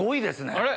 あれ！